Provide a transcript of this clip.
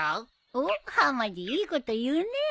おっはまじいいこと言うね。